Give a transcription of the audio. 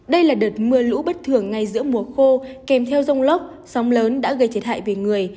đây là đợt mưa lũ bất thường ngay giữa mùa khô kèm theo rông lốc sóng lớn đã gây thiệt hại về người